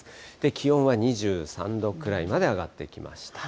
気温は２３度くらいまで上がってきました。